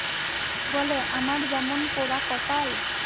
বলে, আমার যেমন পোড়া কপাল!